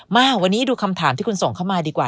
มาวันนี้ดูคำถามที่คุณส่งเข้ามาดีกว่า